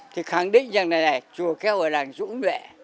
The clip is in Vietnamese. thì khẳng định rằng này này chùa keo ở làng dũng nhuệ